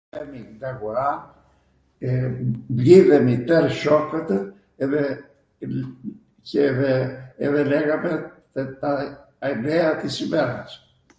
vemi ndw aghora, mblidhemi twr shokwtw, edhe λέγαμε τα νέα της ημέρας.